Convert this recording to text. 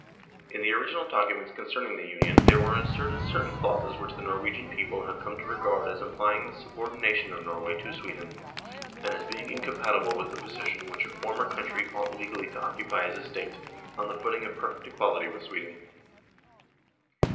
In the original NORWAY AND THE UNION WITH SWEDEN documents concerning the Union there were inserted certain clauses which the Norwegian people have come to regard as implying the subordination of Norway to Sweden, and as being incompatible with the position which the former country ought legally to occupy as a State on a footing of perfect equality with Sweden.